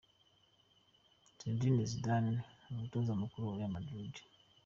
ZineDine Zidane umutoza mukuru wa Real Madrid.